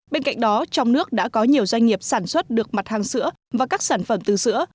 bên cạnh đó trong nước đã có nhiều doanh nghiệp sản xuất được mặt hàng sữa và các sản phẩm từ sữa